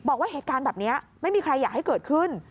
บอกว่าเหตุการณ์แบบนี้ไม่มีใครอยากให้เกิดขึ้น